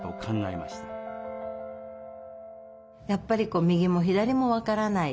やっぱり右も左も分からない。